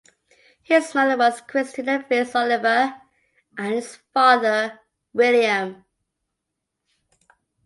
His mother was Christina Fitz-Oliver and his father William.